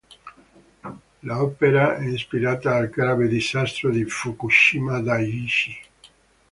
L'opera è ispirata al grave Disastro di Fukushima Dai-ichi.